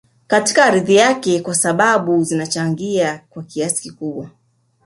Katika ardhi yake kwa sababu zinachangia kwa kiasi kikubwa